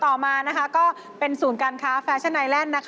ต่อมาก็เป็นศูนย์การค้าแฟชั่นไอแลนด์